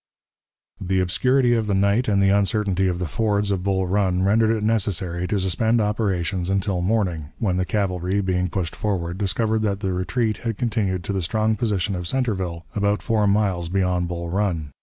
The obscurity of the night and the uncertainty of the fords of Bull Run rendered it necessary to suspend operations until morning, when the cavalry, being pushed forward, discovered that the retreat had continued to the strong position of Centreville, about four miles beyond Bull Run.